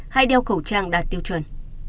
hay đeo khẩu trang đạt tiêu chuẩn